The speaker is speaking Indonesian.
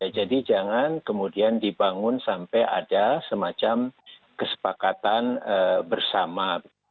jadi jangan kemudian dibangun sampai ada semacam kesepakatan bersama